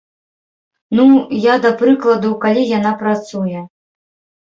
Ну, я да прыкладу, калі яна працуе.